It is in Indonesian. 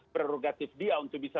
prerogatif dia untuk bisa